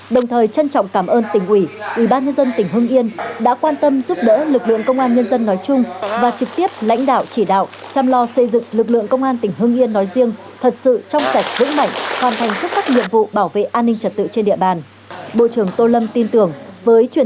đồng thời trân trọng cảm ơn tỉnh ủy ubnd tỉnh hưng yên đã quan tâm giúp đỡ lực lượng công an nhân dân nói chung và trực tiếp lãnh đạo chỉ đạo chăm lo xây dựng lực lượng công an tỉnh hưng yên nói riêng thật sự trong sạch vững mạnh hoàn thành xuất sắc nhiệm vụ bảo vệ an ninh trật tự trên địa bàn